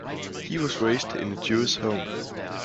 He was raised in a Jewish home.